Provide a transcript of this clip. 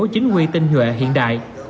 chính quy tinh huệ hiện đại